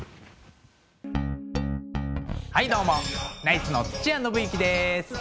はいどうもナイツの土屋伸之です。